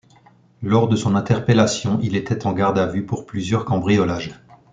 Lors de son interpellation, il était en garde à vue pour plusieurs cambriolages.